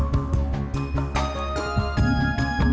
lalapan daun respong